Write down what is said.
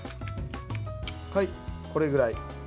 これぐらい。